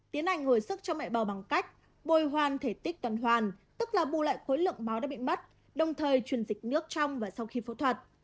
tiến hành hồi sức cho mẹ bầu bằng cách bôi hoàn thể tích tuần hoàn tức là bù lại khối lượng máu đã bị mất đồng thời truyền dịch nước trong và sau khi phẫu thuật